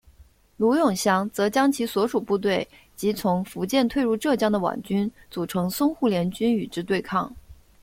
卢永祥则将其所属部队及从福建退入浙江的皖军组成淞沪联军与之对抗。